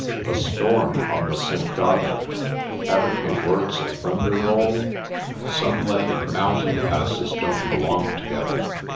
' A storm on the St. Gothard I ' Haven't the words a thunder roll? Sunlight and mountain passes don't belong together.